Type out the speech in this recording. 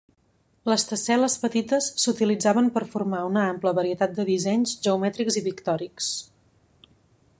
Les tessel·les petites s"utilitzaven per formar una ampla varietat de dissenys geomètrics i pictòrics.